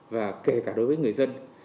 và kể cả đối với người dân